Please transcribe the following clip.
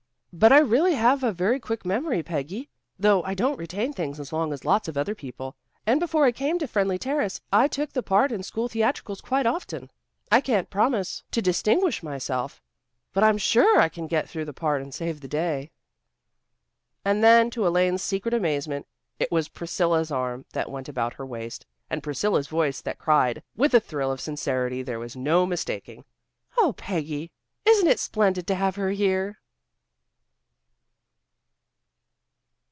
"But I really have a very quick memory, Peggy, though I don't retain things as long as lots of other people. And before I came to Friendly Terrace I took part in school theatricals quite often. I can't promise to distinguish myself, but I'm sure I can get through the part and save the day." And then, to Elaine's secret amazement, it was Priscilla's arm that went about her waist, and Priscilla's voice that cried, with a thrill of sincerity there was no mistaking: "Oh, Peggy, isn't it splendid to have her here?"